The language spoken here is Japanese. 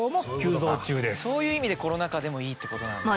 そういう意味でコロナ禍でもいいってことなんだ。